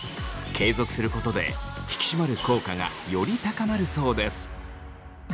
継続することで引き締まる効果がより高まるそうです。